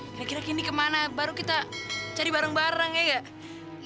kira kira kini kemana baru kita cari bareng bareng ya nggak